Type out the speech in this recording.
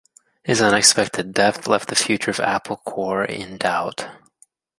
His unexpected death left the future of Apple Corps in doubt.